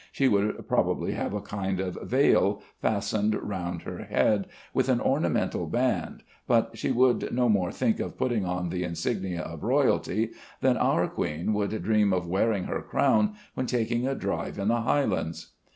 She would probably have a kind of veil fastened round her head with an ornamental band, but she would no more think of putting on the insignia of royalty than our Queen would dream of wearing her crown when taking a drive in the Highlands.